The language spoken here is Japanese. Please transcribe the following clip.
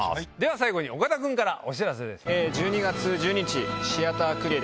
最後に岡田君からお知らせです。